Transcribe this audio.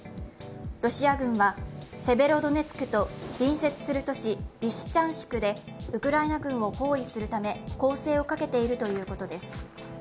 ロシア軍は、セベロドネツクと隣接する都市リシチャンシクでウクライナ軍を包囲するため攻勢をかけているということです。